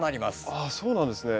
あそうなんですね。